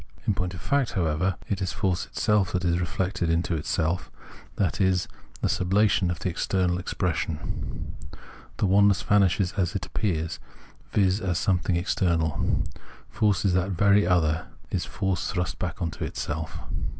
In point of fact, however, it is force itself that is thus reflected into self, 132 Plienmnenology of Mind that is the sublation of the external expression. The oneness vanishes as it appeared, viz. as something external ; force is that very other, is force thrust back into itself.